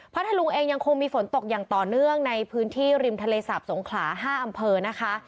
ทะลุงเองยังคงมีฝนตกอย่างต่อเนื่องในพื้นที่ริมทะเลสาบสงขลา๕อำเภอนะคะ